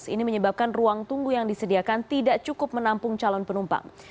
ini menyebabkan ruang tunggu yang disediakan tidak cukup menampung calon penumpang